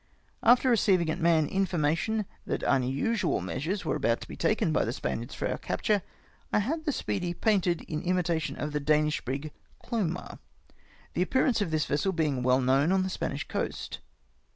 After receiving at Mahon information that unusual measures were about to be taken by the Spaniards for our capture, I had the Speedy painted in imitation of the Danish brig Clomer ; the appearance of this vessel being well known on the Spanivsh coast.